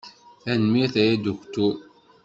Tanemmirt a Aduktur.